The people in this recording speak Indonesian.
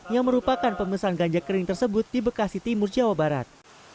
yang merupakan pemesan ganja kering tersebut di bekasi timur jawa barat